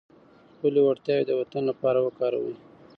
خپلې وړتیاوې د وطن لپاره وکاروئ.